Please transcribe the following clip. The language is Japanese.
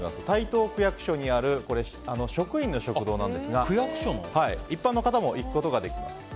台東区役所にある職員の食堂ですが一般の方も行くことができます。